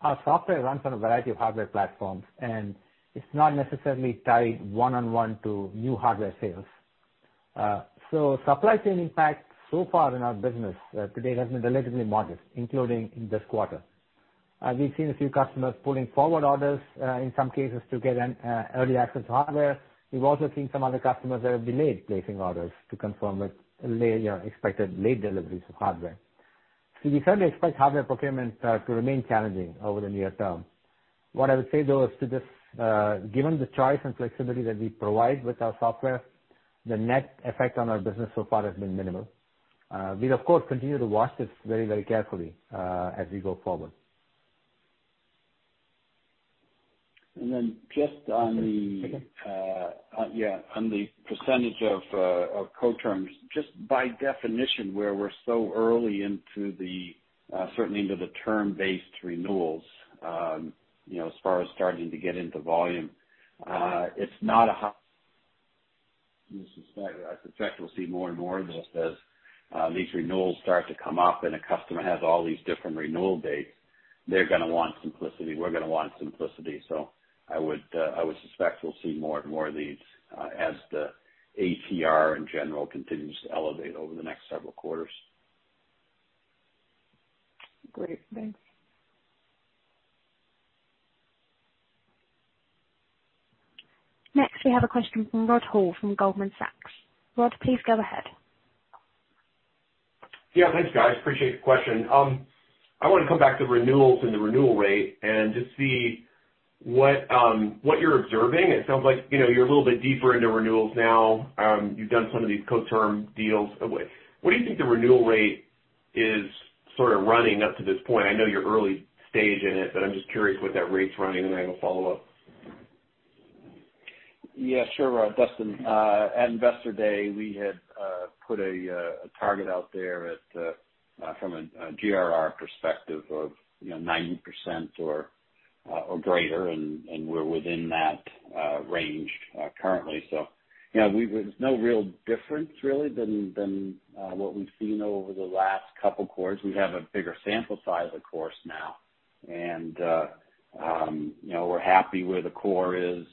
our software runs on a variety of hardware platforms, and it's not necessarily tied one-on-one to new hardware sales. Supply chain impact so far in our business to date has been relatively modest, including in this quarter. We've seen a few customers pulling forward orders in some cases to get an early access to hardware. We've also seen some other customers that have delayed placing orders to confirm with you know, expected late deliveries of hardware. We certainly expect hardware procurement to remain challenging over the near term. What I would say, though, is to just, given the choice and flexibility that we provide with our software, the net effect on our business so far has been minimal. We'll of course continue to watch this very, very carefully, as we go forward. Just on the. Sorry. Yeah, on the percentage of co-terms, just by definition, where we're so early, certainly into the term-based renewals, you know, as far as starting to get into volume, it's not a high in this respect. I suspect we'll see more and more of this as these renewals start to come up and a customer has all these different renewal dates. They're gonna want simplicity. We're gonna want simplicity. I would suspect we'll see more and more of these as the ATR in general continues to elevate over the next several quarters. Great. Thanks. Next, we have a question from Rod Hall from Goldman Sachs. Rod, please go ahead. Yeah, thanks guys. I appreciate the question. I wanna come back to renewals and the renewal rate and just see what you're observing. It sounds like, you know, you're a little bit deeper into renewals now. You've done some of these co-term deals. What do you think the renewal rate is sort of running up to this point? I know you're early stage in it, but I'm just curious what that rate's running, and I have a follow-up. Yeah, sure, Rod. Duston, at Investor Day, we had put a target out there from a GRR perspective of, you know, 90% or greater, and we're within that range currently. You know, there's no real difference really than what we've seen over the last couple quarters. We have a bigger sample size of course now. You know, we're happy where the core is.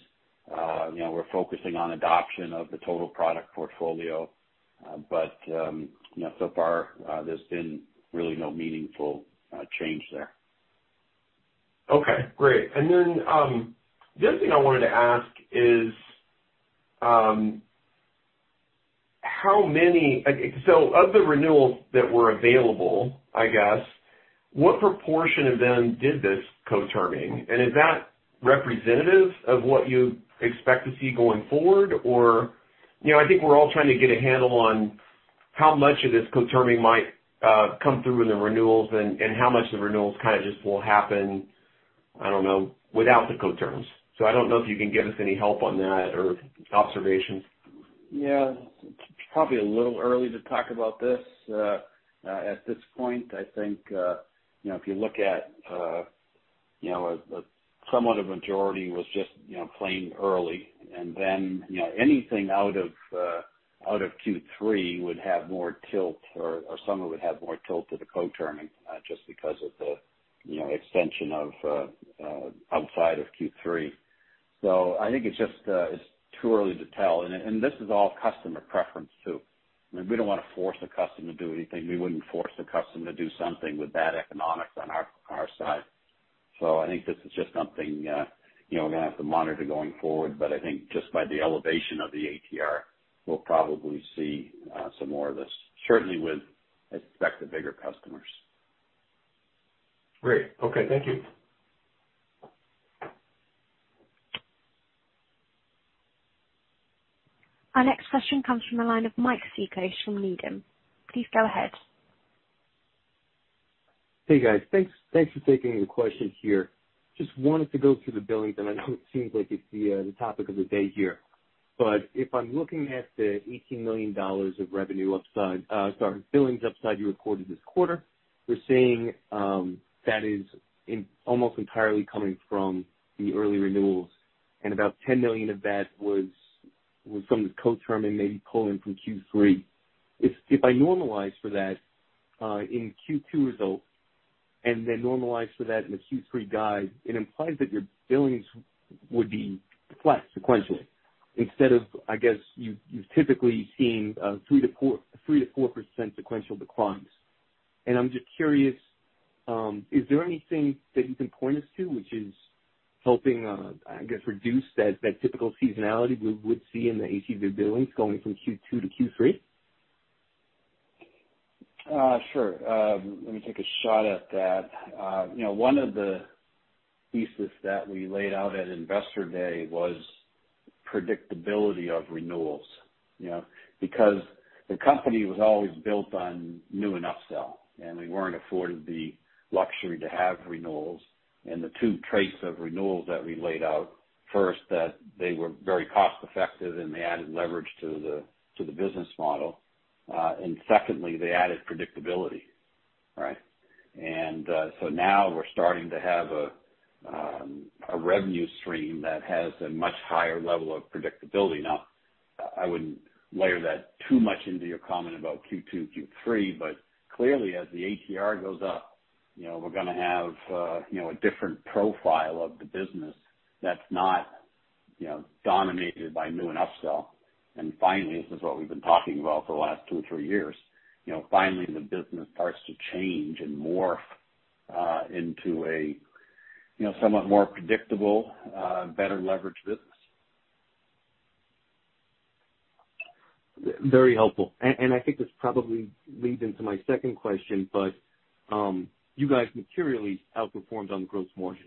You know, we're focusing on adoption of the total product portfolio. You know, so far, there's been really no meaningful change there. Okay, great. The other thing I wanted to ask is, of the renewals that were available, I guess, what proportion of them did this co-terming? Is that representative of what you expect to see going forward? Or, you know, I think we're all trying to get a handle on how much of this co-terming might come through in the renewals and how much the renewals kind of just will happen, I don't know, without the co-terms. I don't know if you can give us any help on that or observations. Yeah. It's probably a little early to talk about this. At this point, I think, you know, if you look at, you know, a somewhat of a majority was just, you know, paying early. You know, anything out of Q3 would have more tilt or some of it would have more tilt to the co-terming just because of the, you know, extension outside of Q3. I think it's just too early to tell. This is all customer preference too. I mean, we don't wanna force the customer to do anything. We wouldn't force the customer to do something with bad economics on our side. I think this is just something, you know, we're gonna have to monitor going forward. I think just by the elevation of the ATR, we'll probably see some more of this, certainly with, I expect, the bigger customers. Great. Okay. Thank you. Our next question comes from the line of Mike Cikos from Needham. Please go ahead. Hey, guys. Thanks for taking the question here. Just wanted to go through the billings, and I know it seems like it's the topic of the day here. If I'm looking at the $18 million of revenue upside, sorry, billings upside you recorded this quarter, we're seeing that is almost entirely coming from the early renewals, and about $10 million of that was from the co-term and maybe pulling from Q3. If I normalize for that in Q2 results and then normalize for that in the Q3 guide, it implies that your billings would be flat sequentially instead of, I guess, you've typically seen 3%-4% sequential declines. I'm just curious, is there anything that you can point us to which is helping, I guess, reduce that typical seasonality we would see in the ACV billings going from Q2 to Q3? Sure. Let me take a shot at that. You know, one of the pieces that we laid out at Investor Day was predictability of renewals, you know. Because the company was always built on new and upsell, and we weren't afforded the luxury to have renewals. The two traits of renewals that we laid out, first, that they were very cost effective, and they added leverage to the business model. Secondly, they added predictability, right? Now we're starting to have a revenue stream that has a much higher level of predictability. Now, I wouldn't layer that too much into your comment about Q2, Q3, but clearly, as the ATR goes up, you know, we're gonna have, you know, a different profile of the business that's not, you know, dominated by new and upsell. Finally, this is what we've been talking about for the last two or three years. You know, finally the business starts to change and morph into a, you know, somewhat more predictable, better leveraged business. Very helpful. I think this probably leads into my second question, but you guys materially outperformed on gross margin,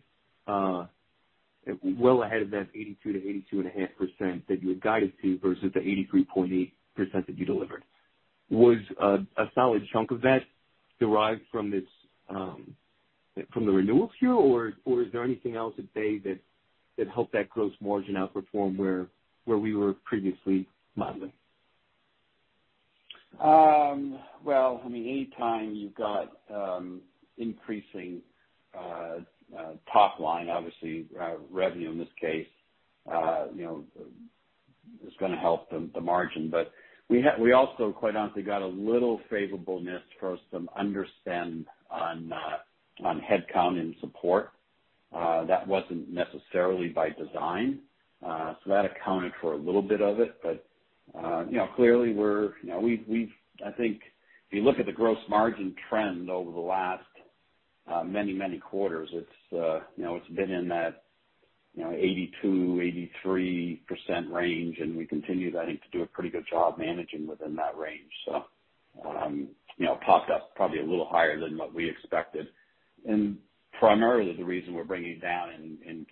well ahead of that 82%-82.5% that you had guided to versus the 83.8% that you delivered. Was a solid chunk of that derived from this, from the renewals here, or is there anything else at play that helped that gross margin outperform where we were previously modeling? Well, I mean, any time you've got increasing top line, obviously, revenue in this case, you know, is gonna help the margin. We also quite honestly got a little favorableness from some underspend on headcount and support that wasn't necessarily by design. That accounted for a little bit of it. You know, clearly, you know, we've, I think if you look at the gross margin trend over the last many quarters, it's, you know, it's been in that, you know, 82%-83% range, and we continue, I think, to do a pretty good job managing within that range. You know, it popped up probably a little higher than what we expected. Primarily the reason we're bringing it down in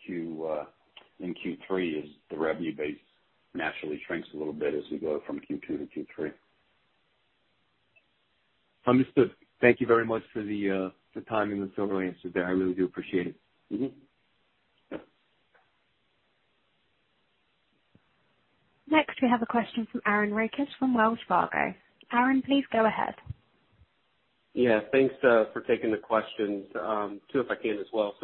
Q3 is the revenue base naturally shrinks a little bit as we go from Q2 to Q3. Understood. Thank you very much for the time and the thorough answers there. I really do appreciate it. Mm-hmm. Yeah. Next, we have a question from Aaron Rakers from Wells Fargo. Aaron, please go ahead. Yeah. Thanks for taking the questions. Two if I can as well.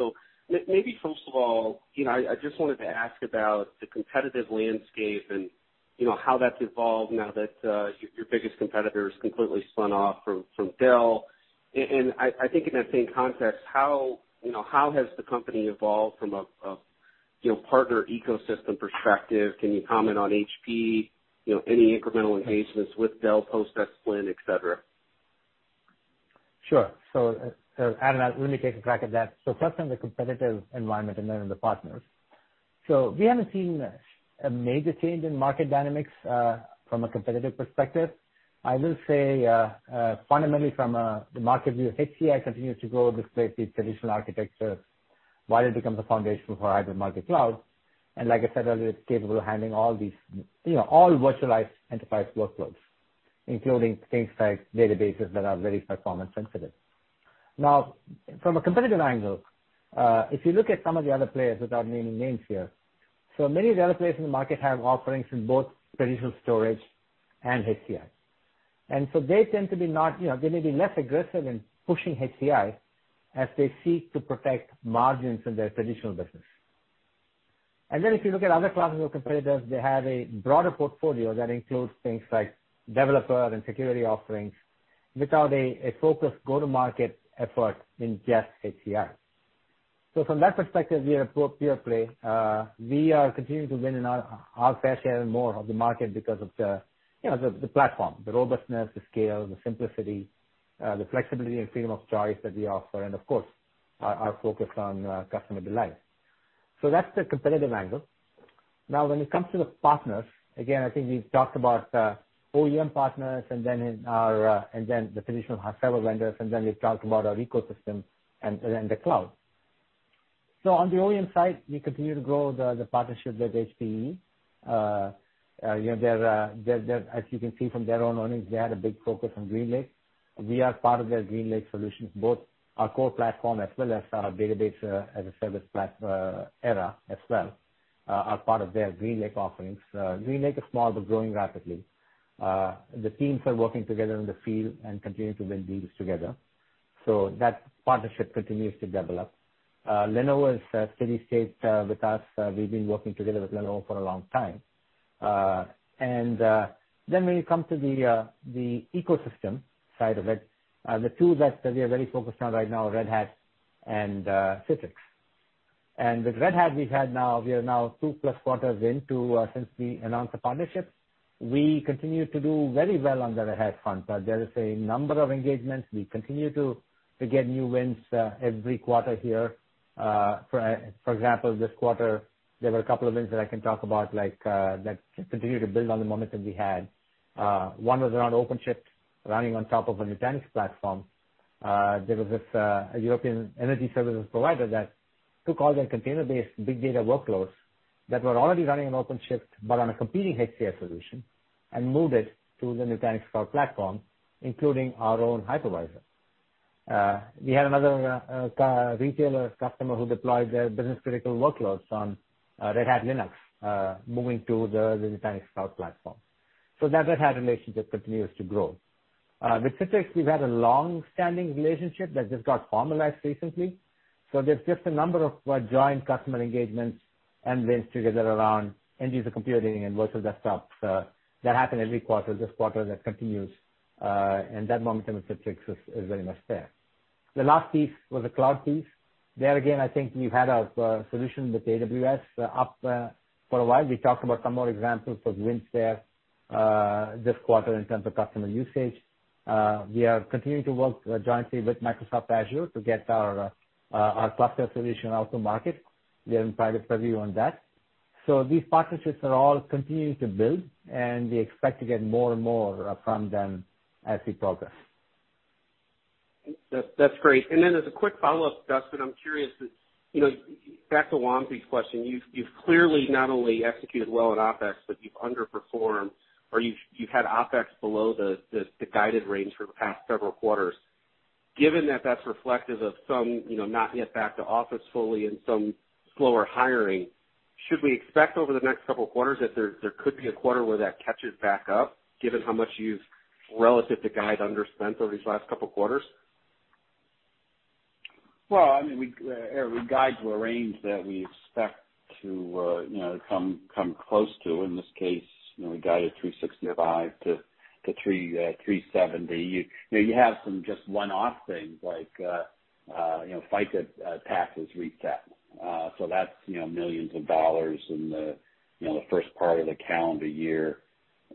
Maybe first of all, you know, I just wanted to ask about the competitive landscape and you know, how that's evolved now that your biggest competitor is completely spun off from Dell. I think in that same context, how you know, how has the company evolved from a partner ecosystem perspective? Can you comment on HP? You know, any incremental engagements with Dell post-split, et cetera? Sure. Aaron, let me take a crack at that. First on the competitive environment and then on the partners. We haven't seen a major change in market dynamics from a competitive perspective. I will say, fundamentally the market view of HCI continues to grow despite the traditional architecture, while it becomes a foundational for hybrid multi-cloud. Like I said earlier, it's capable of handling all these, you know, all virtualized enterprise workloads, including things like databases that are very performance sensitive. Now, from a competitive angle, if you look at some of the other players without naming names here, many of the other players in the market have offerings in both traditional storage and HCI. They tend to be, you know, less aggressive in pushing HCI as they seek to protect margins in their traditional business. If you look at other classes of competitors, they have a broader portfolio that includes things like developer and security offerings without a focused go-to-market effort in just HCI. From that perspective, we are a pure play. We are continuing to win our fair share more of the market because of you know, the platform, the robustness, the scale, the simplicity, the flexibility and freedom of choice that we offer, and of course, our focus on customer delight. That's the competitive angle. Now, when it comes to the partners, again, I think we've talked about OEM partners and then the traditional channel vendors, and then we've talked about our ecosystem and the cloud. On the OEM side, we continue to grow the partnership with HPE. You know, as you can see from their own earnings, they had a big focus on GreenLake. We are part of their GreenLake solutions, both our core platform as well as our database as a service Era as well are part of their GreenLake offerings. GreenLake is small, but growing rapidly. The teams are working together in the field and continuing to win deals together. That partnership continues to develop. Lenovo is steady state with us. We've been working together with Lenovo for a long time. When you come to the ecosystem side of it, the two that we are very focused on right now, Red Hat and Citrix. With Red Hat, we are now 2+ quarters into since we announced the partnership. We continue to do very well on the Red Hat front. There is a number of engagements. We continue to get new wins every quarter here. For example, this quarter, there were a couple of wins that I can talk about, like that continue to build on the momentum we had. One was around OpenShift running on top of a Nutanix platform. There was a European energy services provider that took all their container-based big data workloads that were already running on OpenShift, but on a competing HCI solution, and moved it to the Nutanix Cloud Platform, including our own hypervisor. We had another retailer customer who deployed their business critical workloads on Red Hat Linux, moving to the Nutanix Cloud Platform. That Red Hat relationship continues to grow. With Citrix, we've had a long-standing relationship that just got formalized recently. There's just a number of joint customer engagements and wins together around End User Computing and virtual desktops that happen every quarter. This quarter that continues, and that momentum with Citrix is very much there. The last piece was the cloud piece There again, I think we've had our solution with AWS up for a while. We talked about some more examples of wins there this quarter in terms of customer usage. We are continuing to work jointly with Microsoft Azure to get our cluster solution out to market. We are in private preview on that. These partnerships are all continuing to build, and we expect to get more and more from them as we progress. That, that's great. As a quick follow-up, Duston, I'm curious, you know, back to Wamsi's question, you've clearly not only executed well in OpEx, but you've underspent or you've had OpEx below the guided range for the past several quarters. Given that that's reflective of some, you know, not yet back to office fully and some slower hiring, should we expect over the next couple of quarters that there could be a quarter where that catches back up, given how much you've relative to guide underspent over these last couple quarters? Well, I mean, we guide to a range that we expect to, you know, come close to. In this case, you know, we guided $365 million-$370 million. You know, you have some just one-off things like, you know, FICA taxes reset. That's, you know, millions of dollars in the, you know, the first part of the calendar year.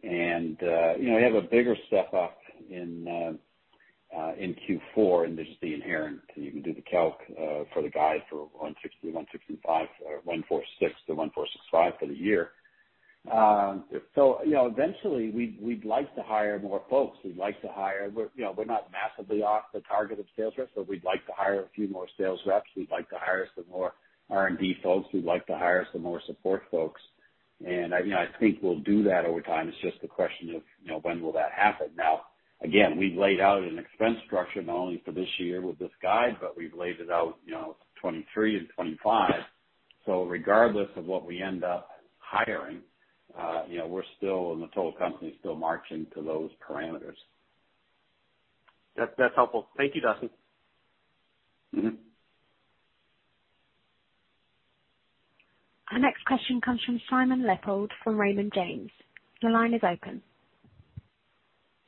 You know, we have a bigger step-up in Q4, and there's the inherent. You can do the calc for the guide for $160 million-$165 million or $1.46 billion-$1.465 billion for the year. You know, eventually we'd like to hire more folks. We'd like to hire... We're, you know, not massively off the target of sales reps, but we'd like to hire a few more sales reps. We'd like to hire some more R&D folks. We'd like to hire some more support folks. I, you know, think we'll do that over time. It's just a question of, you know, when will that happen. Now, again, we've laid out an expense structure not only for this year with this guide, but we've laid it out, you know, 2023 to 2025. Regardless of what we end up hiring, you know, we're still, and the total company is still marching to those parameters. That's helpful. Thank you, Duston. Mm-hmm. Our next question comes from Simon Leopold from Raymond James. Your line is open.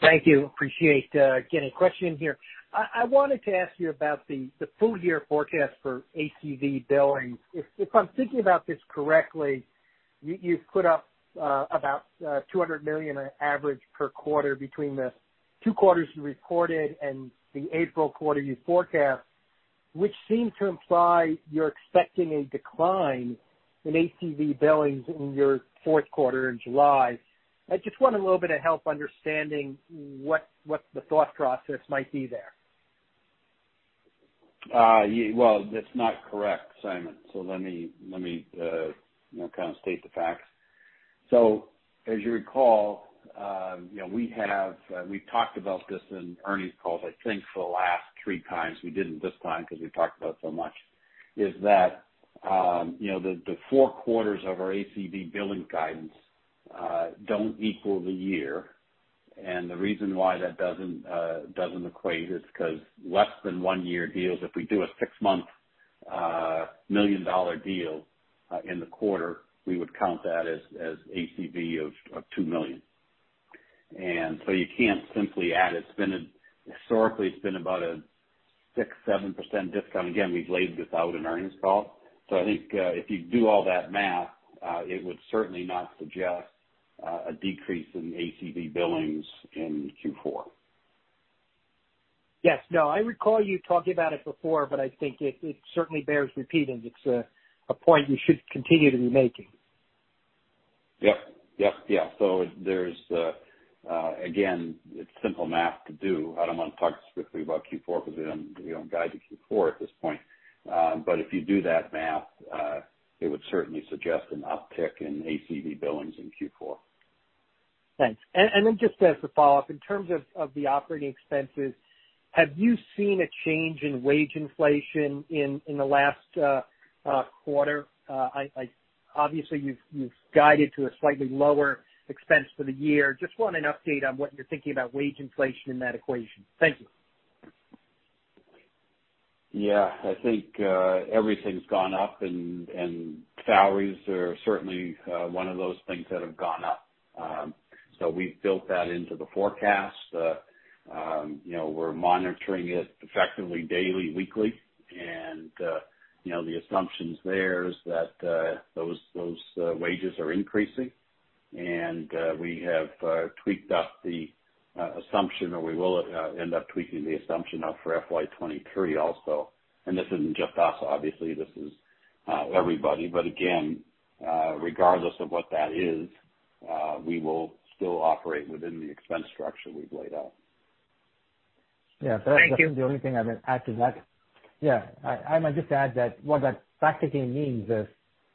Thank you. I appreciate getting a question in here. I wanted to ask you about the full year forecast for ACV billings. If I'm thinking about this correctly, you've put up about $200 million on average per quarter between the two quarters you recorded and the April quarter you forecast, which seemed to imply you're expecting a decline in ACV billings in your fourth quarter in July. I just want a little bit of help understanding what the thought process might be there. Yeah, well, that's not correct, Simon. Let me, you know, kind of state the facts. As you recall, you know, we've talked about this in earnings calls, I think for the last three times. We didn't this time because we talked about it so much. That is, you know, the four quarters of our ACV billing guidance don't equal the year. The reason why that doesn't equate is 'cause less than one-year deals. If we do a six-month $1 million deal in the quarter, we would count that as ACV of $2 million. You can't simply add. Historically, it's been about a 6%-7% discount. Again, we've laid this out in earnings call. I think, if you do all that math, it would certainly not suggest a decrease in ACV billings in Q4. Yes. No, I recall you talking about it before, but I think it certainly bears repeating. It's a point you should continue to be making. Yeah. There is, again, it's simple math to do. I don't want to talk specifically about Q4 because we don't guide to Q4 at this point. If you do that math, it would certainly suggest an uptick in ACV billings in Q4. Thanks. Just as a follow-up, in terms of the operating expenses, have you seen a change in wage inflation in the last quarter? Obviously, you've guided to a slightly lower expense for the year. I just want an update on what you're thinking about wage inflation in that equation. Thank you. Yeah. I think everything's gone up and salaries are certainly one of those things that have gone up. So we've built that into the forecast. You know, we're monitoring it effectively daily, weekly. You know, the assumptions there is that those wages are increasing. We have tweaked up the assumption or we will end up tweaking the assumption up for FY 2023 also. This isn't just us, obviously, this is everybody. But again, regardless of what that is, we will still operate within the expense structure we've laid out. Yeah. Thank you. The only thing I would add to that. Yeah, I might just add that what that practically means is,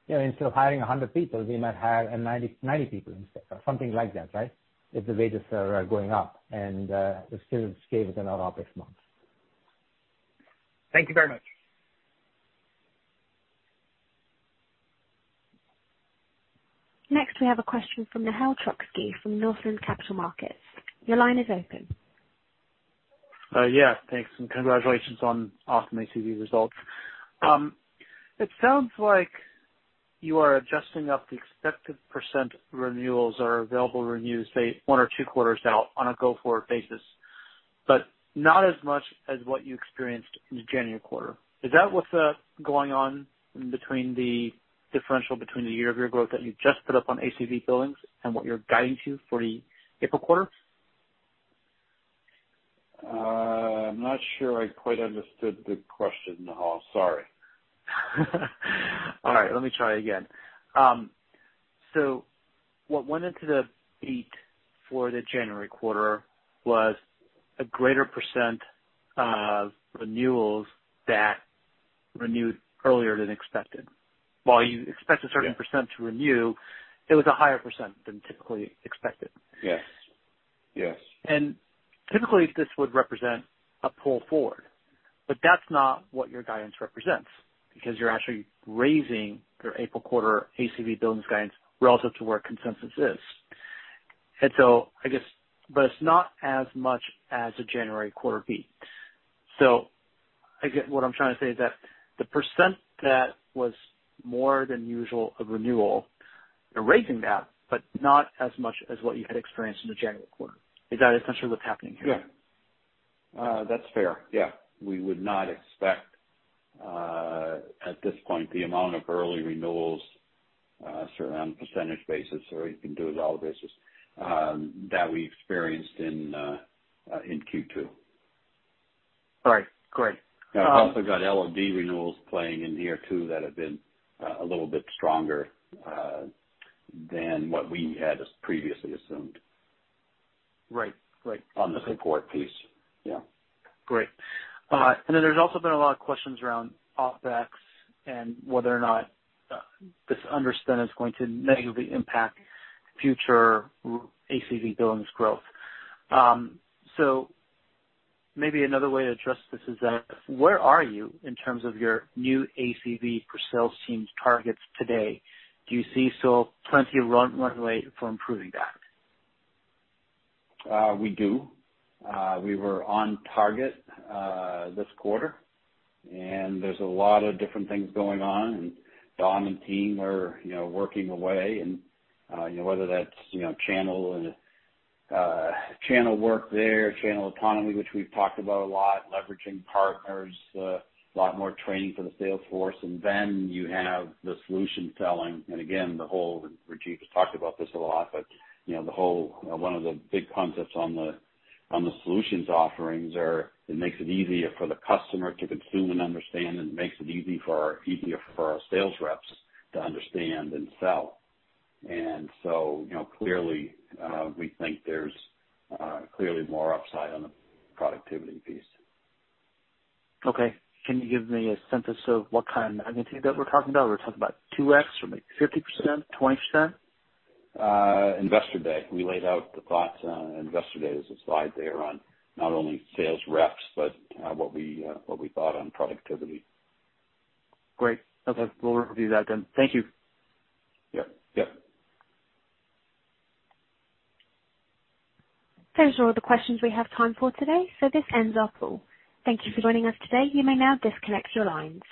you know, instead of hiring 100 people, we might hire 90 people instead, or something like that, right? If the wages are going up and we still scale within our OpEx months. Thank you very much. Next, we have a question from Nehal Chokshi from Northland Capital Markets. Your line is open. Yeah, thanks, and congratulations on awesome ACV results. It sounds like you are adjusting up the expected percent renewals or available renewals, say one or two quarters out on a go-forward basis, but not as much as what you experienced in the January quarter. Is that what's going on between the differential between the year-over-year growth that you just put up on ACV billings and what you're guiding to for the April quarter? I'm not sure I quite understood the question, Nehal. Sorry. All right. Let me try again. What went into the beat for the January quarter was a greater percent of renewals that renewed earlier than expected. While you expect- Yeah. A certain percent to renew, it was a higher percent than typically expected. Yes. Yes. Typically, this would represent a pull forward, but that's not what your guidance represents because you're actually raising your April quarter ACV billings guidance relative to where consensus is. I guess. It's not as much as a January quarter beat. I get what I'm trying to say is that the percent that was more than usual of renewal, you're raising that, but not as much as what you had experienced in the January quarter. Is that essentially what's happening here? Yeah. That's fair. Yeah. We would not expect, at this point, the amount of early renewals certain on percentage basis, or you can do it dollar basis, that we experienced in Q2. All right, great. We've also got LOD renewals playing in here too that have been a little bit stronger than what we had as previously assumed. Right. Right. On the support piece. Yeah. Great. There's also been a lot of questions around OpEx and whether or not this restructuring is going to negatively impact future ACV billings growth. Maybe another way to address this is where are you in terms of your new ACV per sales teams targets today? Do you see still plenty of runway for improving that? We do. We were on target this quarter. There's a lot of different things going on, and Don and team are, you know, working away. You know, whether that's channel work there, channel autonomy, which we've talked about a lot, leveraging partners, a lot more training for the sales force. Then you have the solution selling. Again, the whole, Rajiv has talked about this a lot, but, you know, the whole, you know, one of the big concepts on the solutions offerings are it makes it easier for the customer to consume and understand, and it makes it easy for our -- easier for our sales reps to understand and sell. So, you know, clearly, we think there's clearly more upside on the productivity piece. Okay. Can you give me a sense of what kind of magnitude that we're talking about? Are we talking about 2x or maybe 50%, 20%? Investor Day. We laid out the thoughts on Investor Day. There's a slide there on not only sales reps, but what we thought on productivity. Great. Okay. We'll review that then. Thank you. Yep. Yep. Those are all the questions we have time for today, so this ends our call. Thank you for joining us today. You may now disconnect your lines.